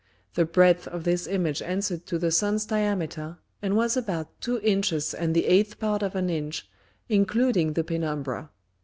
The Breadth of this Image answered to the Sun's Diameter, and was about two Inches and the eighth Part of an Inch, including the Penumbra.